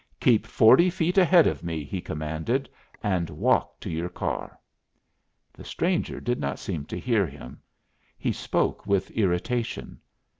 "Keep forty feet ahead of me," he commanded, "and walk to your car." The stranger did not seem to hear him. He spoke with irritation.